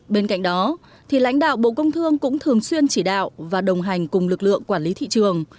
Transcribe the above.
bên cạnh đó lãnh đạo bộ công thương cũng thường xuyên chỉ đạo và đồng hành cùng lực lượng quản lý thị trường